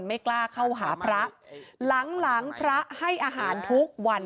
ไม่กล้าเข้าหาพระหลังหลังพระให้อาหารทุกวัน